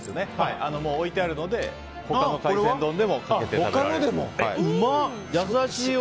置いてあるので他の海鮮丼でもかけて食べられる。